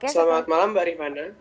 selamat malam mbak rihmana